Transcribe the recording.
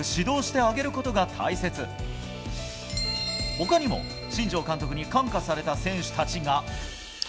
他にも、新庄監督に感化された選手たちが。